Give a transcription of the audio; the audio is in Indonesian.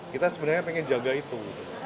kita sebenarnya pengen jaga itu